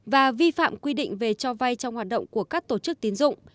và vi phạm quy định về cho vay trong hoạt động của các tổ chức tín dụng